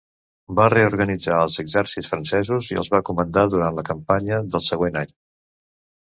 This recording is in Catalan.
Va reorganitzar als exèrcits francesos i els va comandar durant la campanya del següent any.